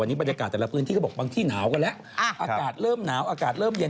อากาศเริ่มหนาวอากาศเริ่มเย็น